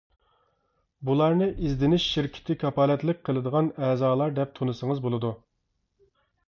بۇلارنى ئىزدىنىش شىركىتى كاپالەتلىك قىلىدىغان ئەزالار دەپ تونۇسىڭىز بولىدۇ.